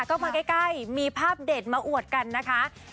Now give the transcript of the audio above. ก็มาใกล้มีภาพเด็ดมาอวดกันนะคะ